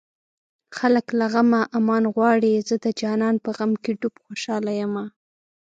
خلک له غمه امان غواړي زه د جانان په غم کې ډوب خوشاله يمه